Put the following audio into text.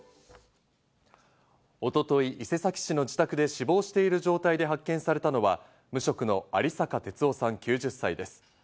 一昨日、伊勢崎市の自宅で死亡している状態で発見されたのは、無職の有坂鉄男さん、９０歳です。